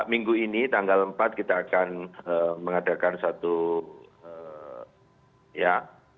minggu ini tanggal empat kita akan mengadakan satu ya